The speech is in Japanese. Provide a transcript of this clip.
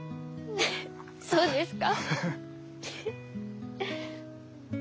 そうですか？